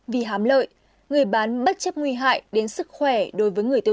vì hám lợi người bán bất chấp nguy hại đến sức khỏe